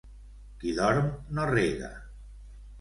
Qui dorm no rega.